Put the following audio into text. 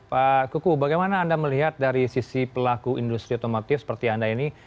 pak kuku bagaimana anda melihat dari sisi pelaku industri otomotif seperti anda ini